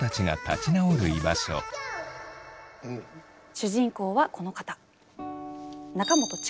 主人公はこの方。